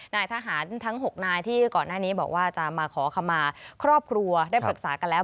นายทหารทั้ง๖นายที่ก่อนหน้านี้บอกว่าจะมาขอขมาครอบครัวได้ปรึกษากันแล้ว